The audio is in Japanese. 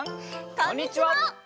こんにちは！